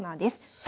さあ